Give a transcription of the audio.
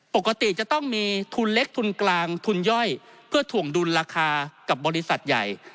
ปกติจะต้องมีทุนเล็กทุนกลางทุนย่อยเพื่อถ่วงดุลราคากับบริษัทใหญ่